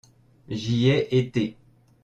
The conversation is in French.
J'y ai été.